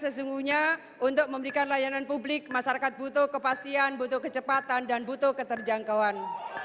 sesungguhnya untuk memberikan layanan publik masyarakat butuh kepastian butuh kecepatan dan butuh keterjangkauan